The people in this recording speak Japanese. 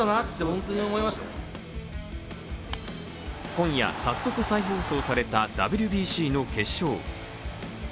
今夜、早速再放送されたＷＢＣの決勝。